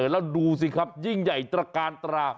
แล้วดูสิครับยิ่งใหญ่ตระกาลตรา